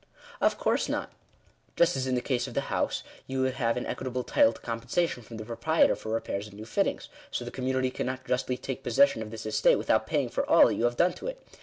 " Of course not : just as in the case of the house, you would have an equitable tide to compensation from the proprietor for repairs and new fittings, so the community cannot justly take possession of this estate, without paying for all that you have done to it.